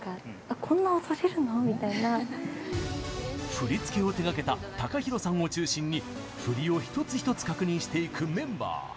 振り付けを手がけたＴＡＫＡＨＩＲＯさんを中心に振りを一つ一つ確認していくメンバー。